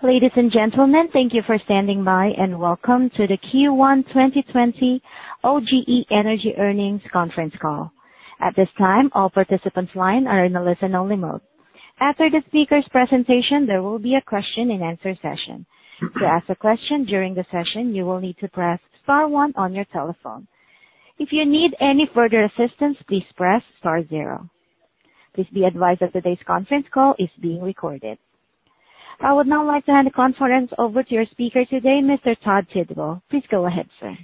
Ladies and gentlemen, thank you for standing by, and welcome to the Q1 2020 OGE Energy Earnings Conference Call. At this time, all participants' line are in a listen-only mode. After the speakers' presentation, there will be a question-and-answer session. To ask a question during the session, you will need to press star one on your telephone. If you need any further assistance, please press star zero. Please be advised that today's conference call is being recorded. I would now like to hand the conference over to your speaker today, Mr. Todd Tidwell. Please go ahead, sir.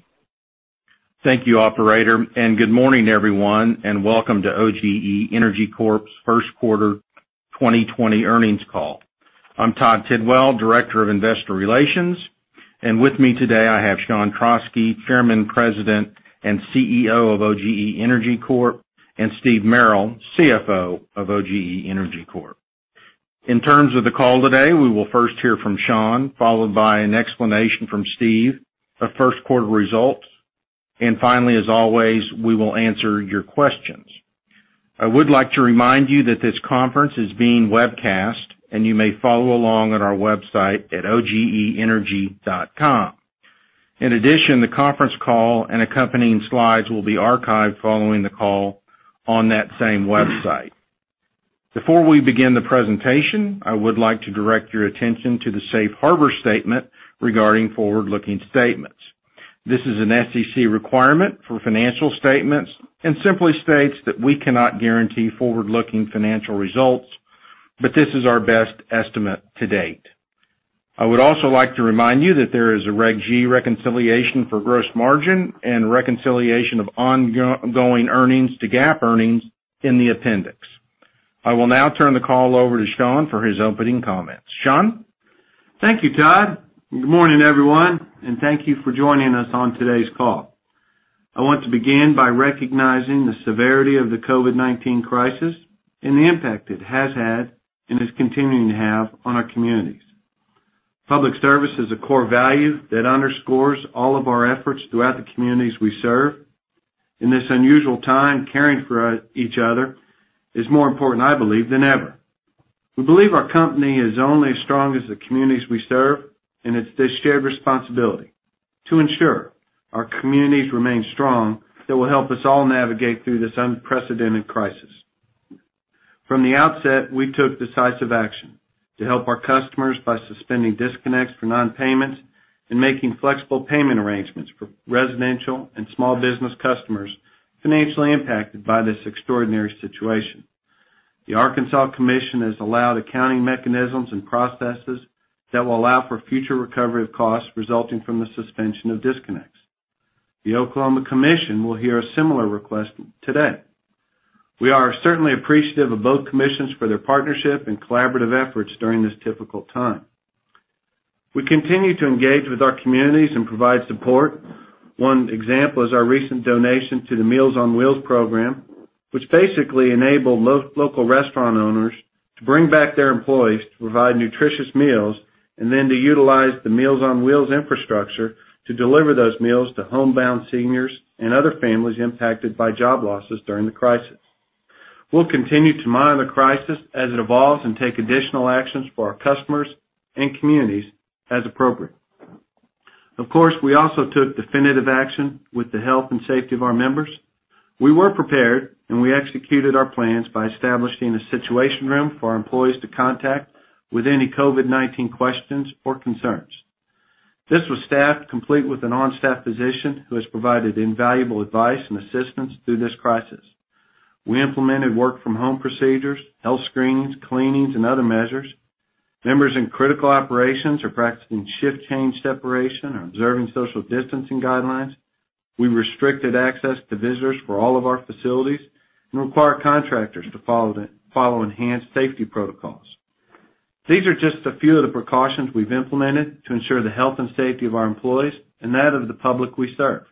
Thank you, operator. Good morning, everyone. Welcome to OGE Energy Corp.'s first quarter 2020 earnings call. I'm Todd Tidwell, Director of Investor Relations. With me today, I have Sean Trauschke, Chairman, President, and CEO of OGE Energy Corp., Steve Merrill, CFO of OGE Energy Corp. In terms of the call today, we will first hear from Sean, followed by an explanation from Steve of first quarter results. Finally, as always, we will answer your questions. I would like to remind you that this conference is being webcast. You may follow along on our website at ogeenergy.com. In addition, the conference call and accompanying slides will be archived following the call on that same website. Before we begin the presentation, I would like to direct your attention to the safe harbor statement regarding forward-looking statements. This is an SEC requirement for financial statements and simply states that we cannot guarantee forward-looking financial results, but this is our best estimate to date. I would also like to remind you that there is a Reg G reconciliation for gross margin and reconciliation of ongoing earnings to GAAP earnings in the appendix. I will now turn the call over to Sean for his opening comments. Sean? Thank you, Todd, and good morning, everyone, and thank you for joining us on today's call. I want to begin by recognizing the severity of the COVID-19 crisis and the impact it has had and is continuing to have on our communities. Public service is a core value that underscores all of our efforts throughout the communities we serve. In this unusual time, caring for each other is more important, I believe, than ever. We believe our company is only as strong as the communities we serve, and it's this shared responsibility to ensure our communities remain strong that will help us all navigate through this unprecedented crisis. From the outset, we took decisive action to help our customers by suspending disconnects for non-payments and making flexible payment arrangements for residential and small business customers financially impacted by this extraordinary situation. The Arkansas Commission has allowed accounting mechanisms and processes that will allow for future recovery of costs resulting from the suspension of disconnects. The Oklahoma Commission will hear a similar request today. We are certainly appreciative of both commissions for their partnership and collaborative efforts during this difficult time. We continue to engage with our communities and provide support. One example is our recent donation to the Meals on Wheels program, which basically enabled local restaurant owners to bring back their employees to provide nutritious meals and then to utilize the Meals on Wheels infrastructure to deliver those meals to homebound seniors and other families impacted by job losses during the crisis. We'll continue to monitor the crisis as it evolves and take additional actions for our customers and communities as appropriate. Of course, we also took definitive action with the health and safety of our members. We were prepared, and we executed our plans by establishing a situation room for our employees to contact with any COVID-19 questions or concerns. This was staffed complete with an on-staff physician who has provided invaluable advice and assistance through this crisis. We implemented work-from-home procedures, health screenings, cleanings, and other measures. Members in critical operations are practicing shift change separation and observing social distancing guidelines. We restricted access to visitors for all of our facilities and require contractors to follow enhanced safety protocols. These are just a few of the precautions we've implemented to ensure the health and safety of our employees and that of the public we serve.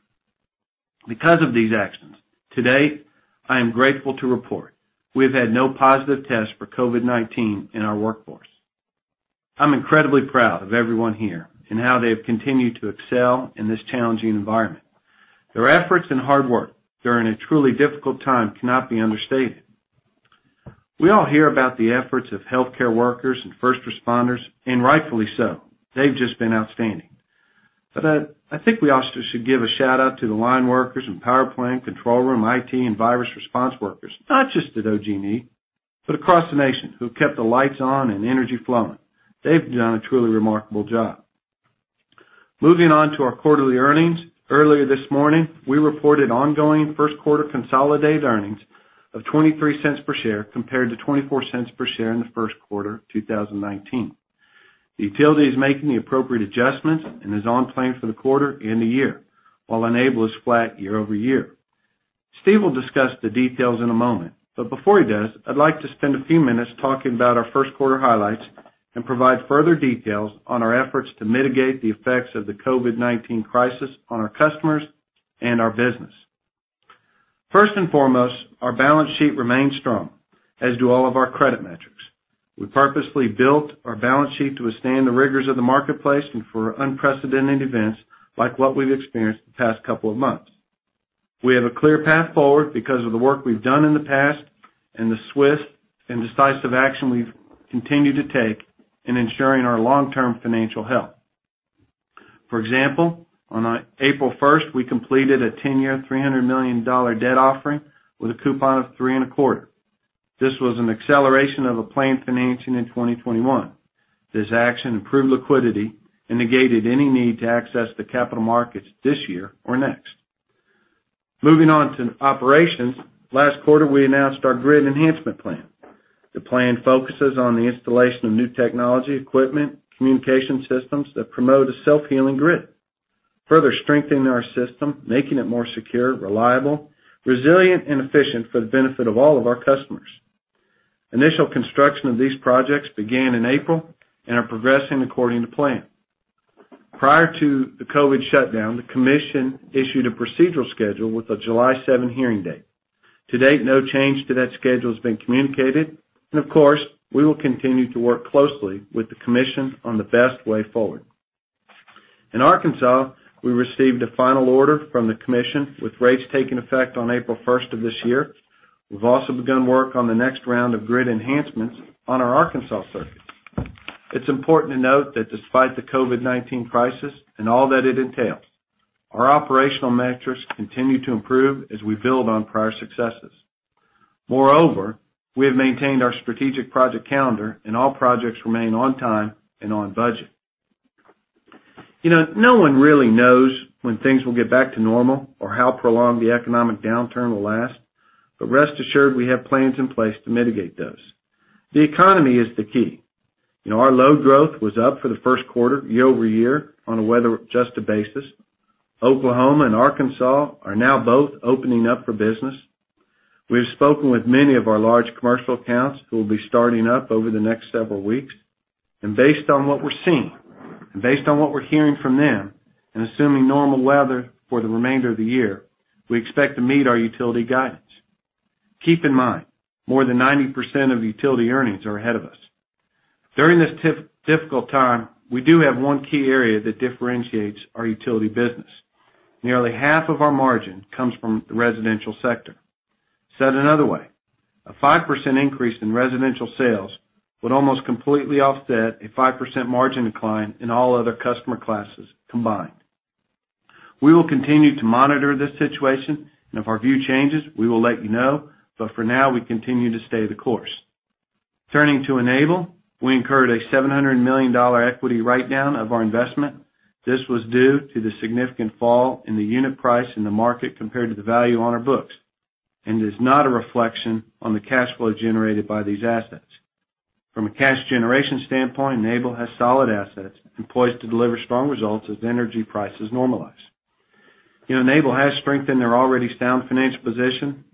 Because of these actions, to date, I am grateful to report we have had no positive tests for COVID-19 in our workforce. I'm incredibly proud of everyone here and how they have continued to excel in this challenging environment. Their efforts and hard work during a truly difficult time cannot be understated. We all hear about the efforts of healthcare workers and first responders, and rightfully so. They've just been outstanding. I think we also should give a shout-out to the line workers and power plant control room, IT, and virus response workers, not just at OGE, but across the nation, who have kept the lights on and energy flowing. They've done a truly remarkable job. Moving on to our quarterly earnings. Earlier this morning, we reported ongoing first-quarter consolidated earnings of $0.23 per share compared to $0.24 per share in the first quarter 2019. The utility is making the appropriate adjustments and is on plan for the quarter and the year, while Enable is flat year-over-year. Steve will discuss the details in a moment, but before he does, I'd like to spend a few minutes talking about our first quarter highlights and provide further details on our efforts to mitigate the effects of the COVID-19 crisis on our customers and our business. First and foremost, our balance sheet remains strong, as do all of our credit metrics. We purposely built our balance sheet to withstand the rigors of the marketplace and for unprecedented events like what we've experienced the past couple of months. We have a clear path forward because of the work we've done in the past and the swift and decisive action we've continued to take in ensuring our long-term financial health. For example, on April 1st, we completed a 10-year, $300 million debt offering with a coupon of three and a quarter. This was an acceleration of a planned financing in 2021. This action improved liquidity and negated any need to access the capital markets this year or next. Moving on to operations. Last quarter, we announced our Grid Enhancement Plan. The plan focuses on the installation of new technology, equipment, communication systems that promote a self-healing grid, further strengthening our system, making it more secure, reliable, resilient and efficient for the benefit of all of our customers. Initial construction of these projects began in April and are progressing according to plan. Prior to the COVID-19 shutdown, the Oklahoma Commission issued a procedural schedule with a July 7 hearing date. To date, no change to that schedule has been communicated. Of course, we will continue to work closely with the Oklahoma Commission on the best way forward. In Arkansas, we received a final order from the Arkansas Commission with rates taking effect on April 1st of this year. We've also begun work on the next round of grid enhancements on our Arkansas circuits. It's important to note that despite the COVID-19 crisis and all that it entails, our operational metrics continue to improve as we build on prior successes. Moreover, we have maintained our strategic project calendar and all projects remain on time and on budget. No one really knows when things will get back to normal or how prolonged the economic downturn will last, but rest assured we have plans in place to mitigate those. The economy is the key. Our load growth was up for the first quarter year-over-year on a weather-adjusted basis. Oklahoma and Arkansas are now both opening up for business. We've spoken with many of our large commercial accounts who will be starting up over the next several weeks. Based on what we're seeing, and based on what we're hearing from them, and assuming normal weather for the remainder of the year, we expect to meet our utility guidance. Keep in mind, more than 90% of utility earnings are ahead of us. During this difficult time, we do have one key area that differentiates our utility business. Nearly half of our margin comes from the residential sector. Said another way, a 5% increase in residential sales would almost completely offset a 5% margin decline in all other customer classes combined. We will continue to monitor this situation, and if our view changes, we will let you know, but for now, we continue to stay the course. Turning to Enable, we incurred a $700 million equity write-down of our investment. This was due to the significant fall in the unit price in the market compared to the value on our books, and is not a reflection on the cash flow generated by these assets. From a cash generation standpoint, Enable has solid assets and poised to deliver strong results as energy prices normalize. Enable has strengthened their already sound financial position.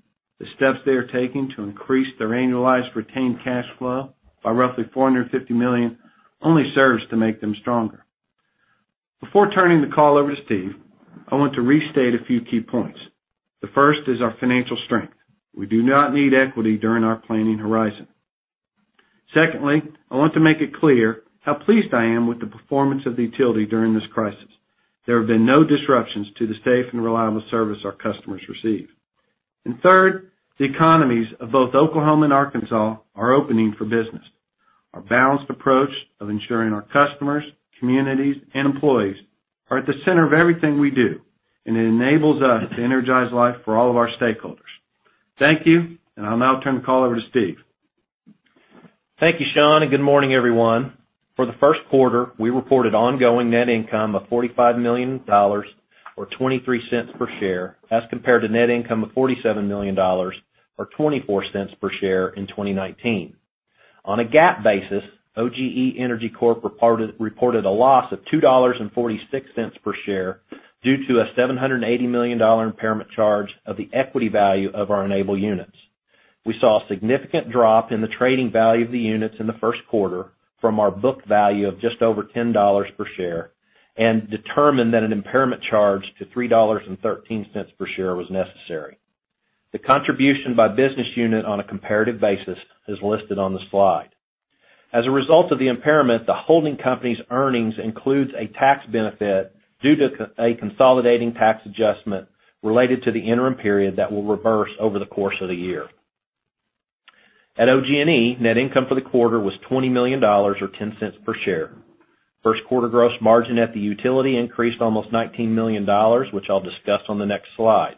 The steps they are taking to increase their annualized retained cash flow by roughly $450 million only serves to make them stronger. Before turning the call over to Steve, I want to restate a few key points. The first is our financial strength. We do not need equity during our planning horizon. Secondly, I want to make it clear how pleased I am with the performance of the utility during this crisis. There have been no disruptions to the safe and reliable service our customers receive. Third, the economies of both Oklahoma and Arkansas are opening for business. Our balanced approach of ensuring our customers, communities, and employees are at the center of everything we do, and it enables us to energize life for all of our stakeholders. Thank you, and I'll now turn the call over to Steve. Thank you, Sean, and good morning, everyone. For the first quarter, we reported ongoing net income of $45 million, or $0.23 per share, as compared to net income of $47 million, or $0.24 per share in 2019. On a GAAP basis, OGE Energy Corp reported a loss of $2.46 per share due to a $780 million impairment charge of the equity value of our Enable units. We saw a significant drop in the trading value of the units in the first quarter from our book value of just over $10 per share, determined that an impairment charge to $3.13 per share was necessary. The contribution by business unit on a comparative basis is listed on the slide. As a result of the impairment, the holding company's earnings includes a tax benefit due to a consolidating tax adjustment related to the interim period that will reverse over the course of the year. At OG&E, net income for the quarter was $20 million, or $0.10 per share. First quarter gross margin at the utility increased almost $19 million, which I'll discuss on the next slide.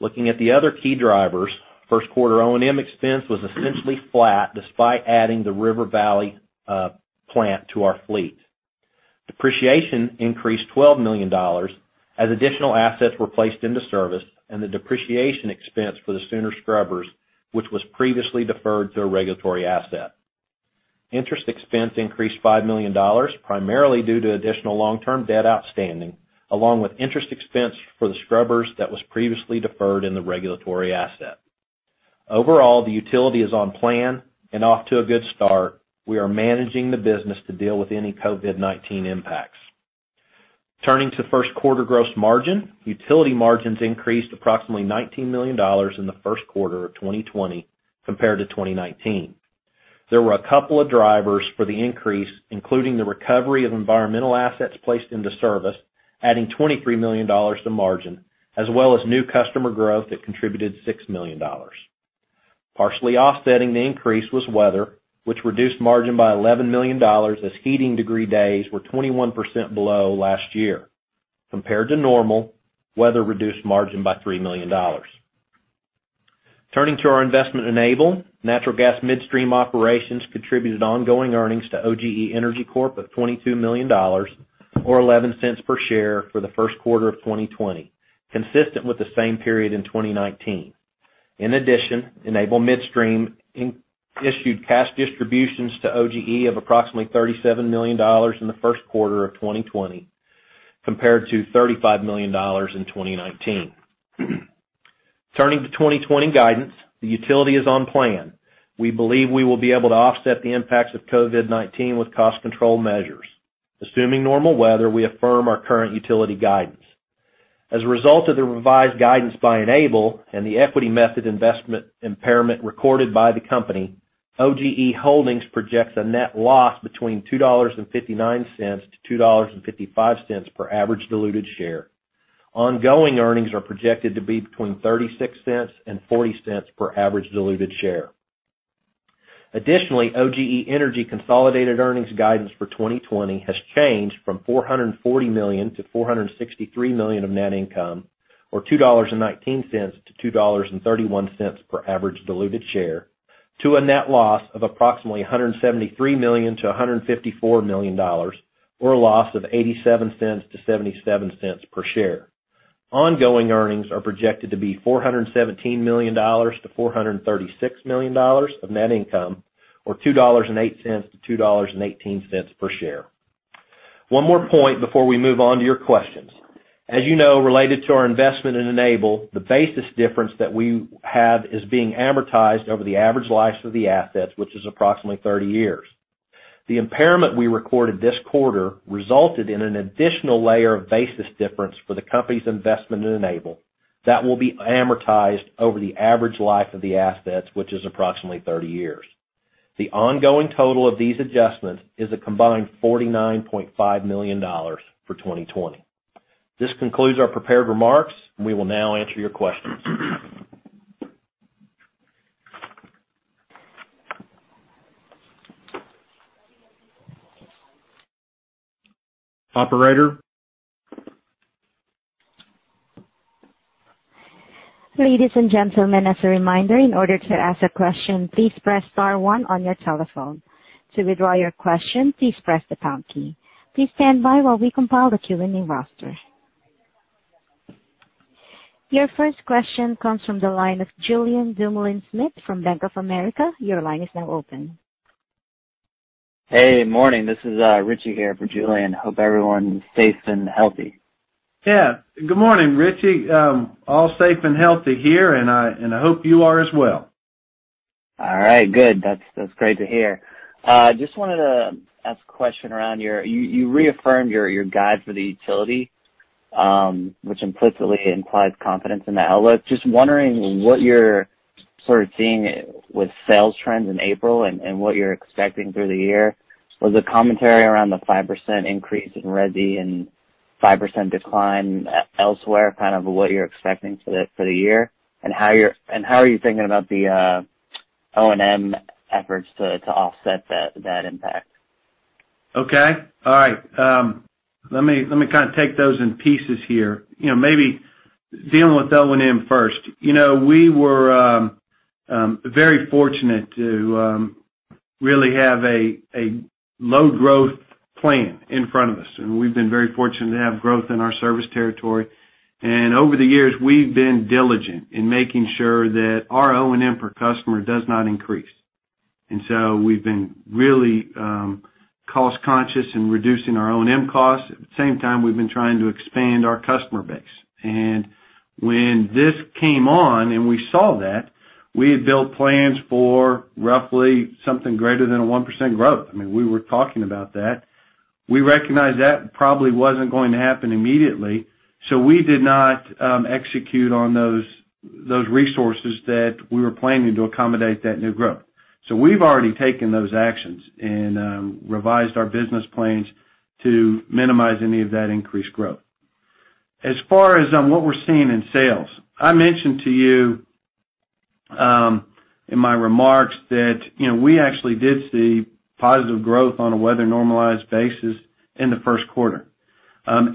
Looking at the other key drivers, first quarter O&M expense was essentially flat despite adding the River Valley plant to our fleet. Depreciation increased $12 million as additional assets were placed into service and the depreciation expense for the Sooner Scrubbers, which was previously deferred to a regulatory asset. Interest expense increased $5 million, primarily due to additional long-term debt outstanding, along with interest expense for the scrubbers that was previously deferred in the regulatory asset. Overall, the utility is on plan and off to a good start. We are managing the business to deal with any COVID-19 impacts. Turning to first quarter gross margin, utility margins increased approximately $19 million in the first quarter of 2020 compared to 2019. There were a couple of drivers for the increase, including the recovery of environmental assets placed into service, adding $23 million to margin, as well as new customer growth that contributed $6 million. Partially offsetting the increase was weather, which reduced margin by $11 million as heating degree days were 21% below last year. Compared to normal, weather reduced margin by $3 million. Turning to our investment Enable, natural gas midstream operations contributed ongoing earnings to OGE Energy Corp of $22 million, or $0.11 per share for the first quarter of 2020, consistent with the same period in 2019. In addition, Enable Midstream issued cash distributions to OGE of approximately $37 million in the first quarter of 2020, compared to $35 million in 2019. Turning to 2020 guidance, the utility is on plan. We believe we will be able to offset the impacts of COVID-19 with cost control measures. Assuming normal weather, we affirm our current utility guidance. As a result of the revised guidance by Enable and the equity method investment impairment recorded by the company, OGE Holdings projects a net loss between $2.59-$2.55 per average diluted share. Ongoing earnings are projected to be between $0.36 and $0.40 per average diluted share. Additionally, OGE Energy consolidated earnings guidance for 2020 has changed from $440 million-$463 million of net income, or $2.19-$2.31 per average diluted share, to a net loss of approximately $173 million-$154 million, or a loss of $0.87-$0.77 per share. Ongoing earnings are projected to be $417 million-$436 million of net income, or $2.08-$2.18 per share. One more point before we move on to your questions. As you know, related to our investment in Enable, the basis difference that we have is being amortized over the average life of the assets, which is approximately 30 years. The impairment we recorded this quarter resulted in an additional layer of basis difference for the company's investment in Enable that will be amortized over the average life of the assets, which is approximately 30 years. The ongoing total of these adjustments is a combined $49.5 million for 2020. This concludes our prepared remarks. We will now answer your questions. Operator? Ladies and gentlemen, as a reminder, in order to ask a question, please press star one on your telephone. To withdraw your question, please press the pound key. Please stand by while we compile the queuing roster. Your first question comes from the line of Julien Dumoulin-Smith from Bank of America. Your line is now open. Hey, morning. This is Richie here for Julien. Hope everyone's safe and healthy. Yeah. Good morning, Richie. All safe and healthy here, and I hope you are as well. All right. Good. That's great to hear. Just wanted to ask a question around You reaffirmed your guide for the utility, which implicitly implies confidence in the outlook. Just wondering what you're sort of seeing with sales trends in April and what you're expecting through the year. Was the commentary around the 5% increase in residential and 5% decline elsewhere kind of what you're expecting for the year? How are you thinking about the O&M efforts to offset that impact? Okay. All right. Let me kind of take those in pieces here. Maybe dealing with O&M first. We were very fortunate to really have a low growth plan in front of us, and we've been very fortunate to have growth in our service territory. Over the years, we've been diligent in making sure that our O&M per customer does not increase. We've been really cost-conscious in reducing our O&M costs. At the same time, we've been trying to expand our customer base. When this came on and we saw that, we had built plans for roughly something greater than a 1% growth. I mean, we were talking about that. We recognized that probably wasn't going to happen immediately. We did not execute on those resources that we were planning to accommodate that new growth. We've already taken those actions and revised our business plans to minimize any of that increased growth. As far as on what we're seeing in sales, I mentioned to you, in my remarks that we actually did see positive growth on a weather normalized basis in the first quarter.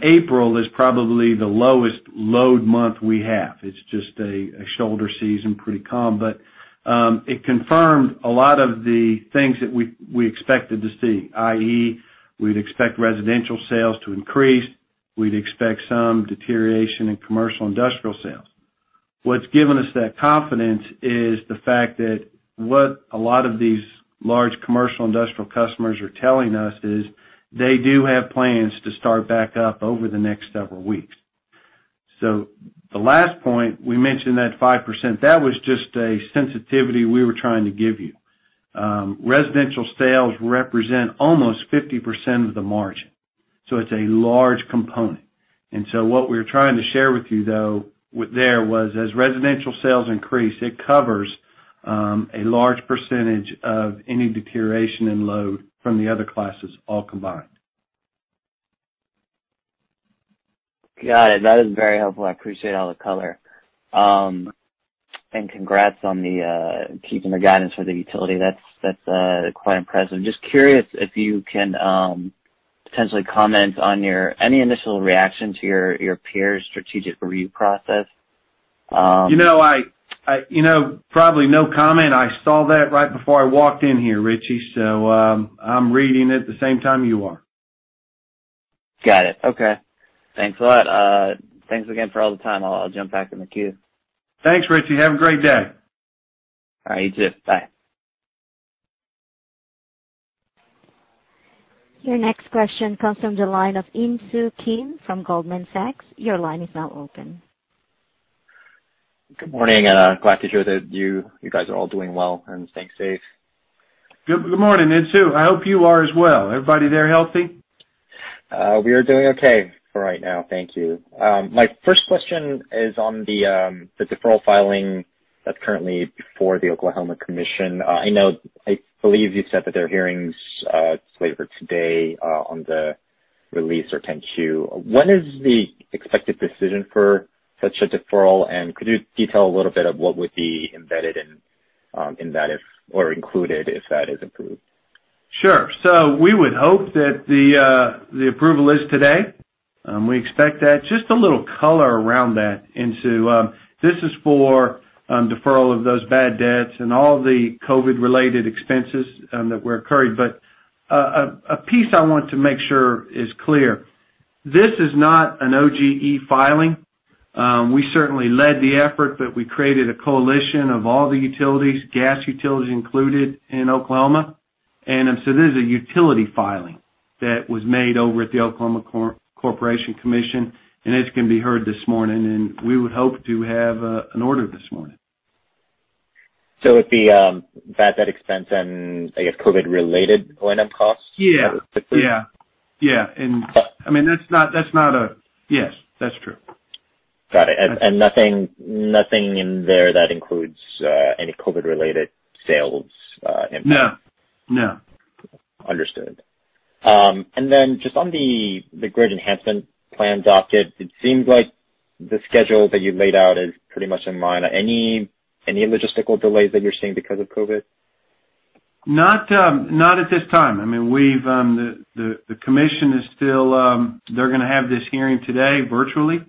April is probably the lowest load month we have. It's just a shoulder season, pretty calm. It confirmed a lot of the things that we expected to see, i.e., we'd expect residential sales to increase. We'd expect some deterioration in commercial industrial sales. What's given us that confidence is the fact that what a lot of these large commercial industrial customers are telling us is they do have plans to start back up over the next several weeks. The last point, we mentioned that 5%, that was just a sensitivity we were trying to give you. Residential sales represent almost 50% of the margin. It's a large component. What we're trying to share with you, though, there was as residential sales increase, it covers a large percentage of any deterioration in load from the other classes all combined. Got it. That is very helpful. I appreciate all the color. Congrats on keeping the guidance for the utility. That's quite impressive. Just curious if you can potentially comment on any initial reaction to your peers' strategic review process. Probably no comment. I saw that right before I walked in here, Richie, so I'm reading it the same time you are. Got it. Okay. Thanks a lot. Thanks again for all the time. I'll jump back in the queue. Thanks, Richie. Have a great day. All right. You too. Bye. Your next question comes from the line of Insoo Kim from Goldman Sachs. Your line is now open. Good morning, glad to hear that you guys are all doing well and staying safe. Good morning, Insoo. I hope you are as well. Everybody there healthy? We are doing okay for right now. Thank you. My first question is on the deferral filing that's currently before the Oklahoma Commission. I believe you said that there are hearings later today on the release or 10-Q. When is the expected decision for such a deferral? Could you detail a little bit of what would be embedded in that or included if that is approved? Sure. We would hope that the approval is today. We expect that. Just a little color around that, Insoo. This is for deferral of those bad debts and all the COVID-related expenses that were incurred. A piece I want to make sure is clear, this is not an OGE filing. We certainly led the effort, but we created a coalition of all the utilities, gas utilities included in Oklahoma. This is a utility filing that was made over at the Oklahoma Corporation Commission, and it's going to be heard this morning, and we would hope to have an order this morning. It would be bad debt expense and, I guess, COVID-related O&M costs? Yeah. Yeah. Yes, that's true. Got it. Nothing in there that includes any COVID-related sales impact? No. Understood. Just on the Grid Enhancement Plan docket, it seems like the schedule that you laid out is pretty much in line. Any logistical delays that you're seeing because of COVID? Not at this time. The commission is still going to have this hearing today virtually.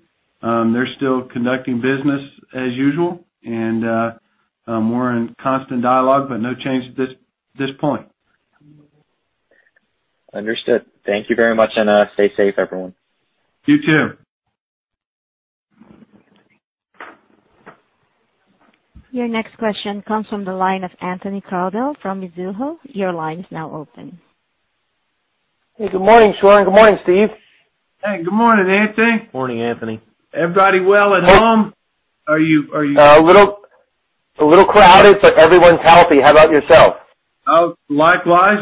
They're still conducting business as usual. We're in constant dialogue, but no change at this point. Understood. Thank you very much, and stay safe, everyone. You, too. Your next question comes from the line of Anthony Crowdell from Mizuho. Your line is now open. Hey, good morning, Sean. Good morning, Steve. Hey, good morning, Anthony. Morning, Anthony. Everybody well at home? A little crowded, but everyone's healthy. How about yourself? Oh, likewise.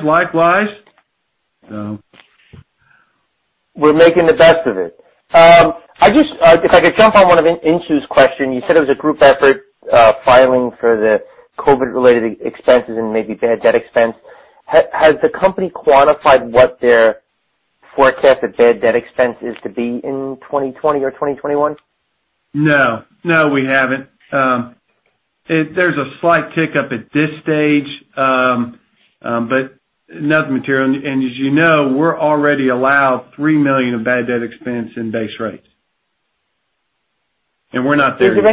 We're making the best of it. If I could jump on one of Insoo's question, you said it was a group effort filing for the COVID-related expenses and maybe bad debt expense. Has the company quantified what their forecast of bad debt expense is to be in 2020 or 2021? No. No, we haven't. There's a slight tick up at this stage, but nothing material. As you know, we're already allowed $3 million of bad debt expense in base rates. We're not there yet. Is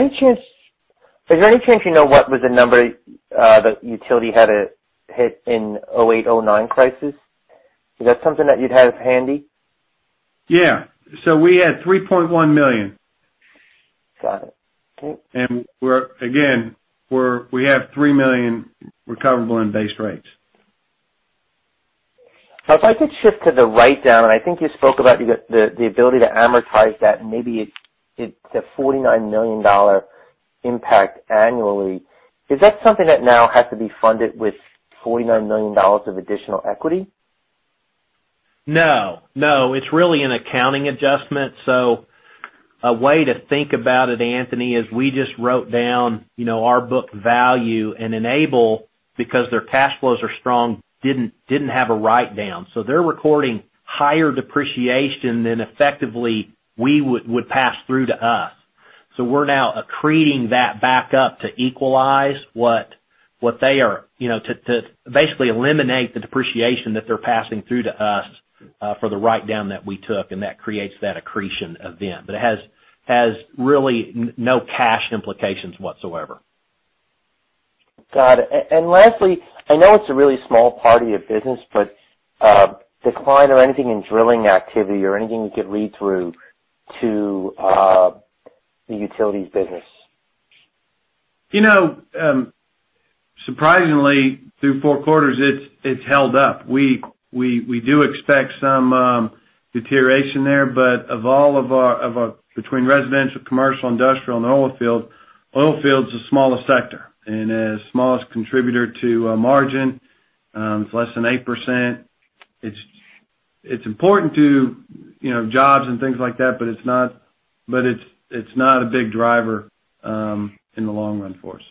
there any chance you know what was the number that utility had a hit in 2008, 2009 crisis? Is that something that you'd have handy? Yeah. We had $3.1 million. Got it. Cool. Again, we have $3 million recoverable in base rates. If I could shift to the write-down, and I think you spoke about the ability to amortize that, and maybe it's a $49 million impact annually. Is that something that now has to be funded with $49 million of additional equity? No. It's really an accounting adjustment. A way to think about it, Anthony, is we just wrote down our book value and Enable, because their cash flows are strong, didn't have a write-down. They're recording higher depreciation than effectively would pass through to us. We're now accreting that back up to basically eliminate the depreciation that they're passing through to us for the write-down that we took, and that creates that accretion of them. It has really no cash implications whatsoever. Got it. Lastly, I know it's a really small part of your business, but decline or anything in drilling activity or anything you could read through to the utilities business? Surprisingly, through four quarters, it's held up. We do expect some deterioration there, but between residential, commercial, industrial, and oil field, oil field's the smallest sector and smallest contributor to margin. It's less than 8%. It's important to jobs and things like that, but it's not a big driver in the long run for us.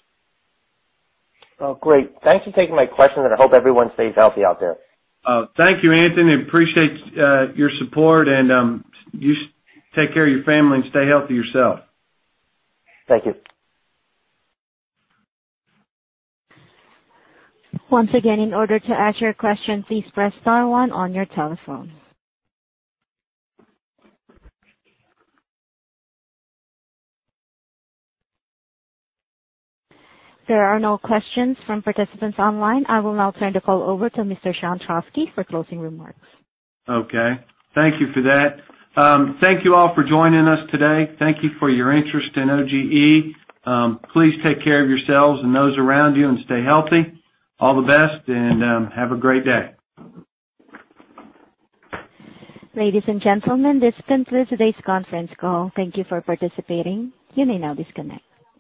Oh, great. Thanks for taking my questions, and I hope everyone stays healthy out there. Thank you, Anthony. Appreciate your support, and you take care of your family and stay healthy yourself. Thank you. Once again, in order to ask your question, please press star one on your telephone. There are no questions from participants online. I will now turn the call over to Mr. Sean Trauschke for closing remarks. Okay. Thank you for that. Thank you all for joining us today. Thank you for your interest in OGE. Please take care of yourselves and those around you, and stay healthy. All the best, and have a great day. Ladies and gentlemen, this concludes today's conference call. Thank you for participating. You may now disconnect.